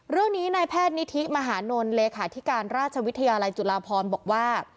เรื่องนี้นายแพทย์นิธิมหานลเลขาธิการราชวิทยาลัยจุฬาพรบอกว่า